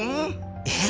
えっ！？